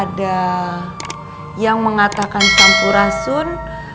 ada yang mengatakan sampurasun